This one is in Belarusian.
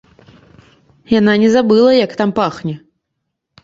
Яна не забыла, як там пахне.